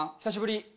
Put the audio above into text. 久しぶり。